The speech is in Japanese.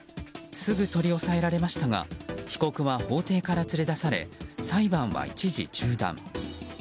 すぐ取り押さえられましたが被告は法廷から連れ出され裁判は一時中断。